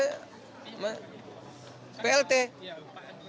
plt bukan dari mendagri dong plt nya